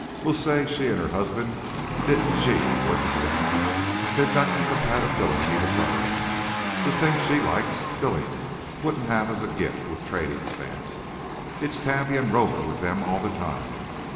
We'll say she and her husband didn't gee worth a cent. They've got incompatibility to burn. The things she likes, Billings wouldn't have as a gift with trading stamps. It's Tabby and Rover with them all the time.